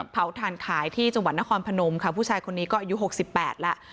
เผาธานขายที่จังหวัดนครพนมผู้ชายอายุ๖๘แล้ว